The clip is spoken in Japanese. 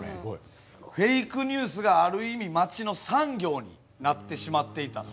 フェイクニュースがある意味街の産業になってしまっていたと。